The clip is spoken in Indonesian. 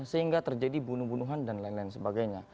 sehingga terjadi bunuh bunuhan dan lain lain sebagainya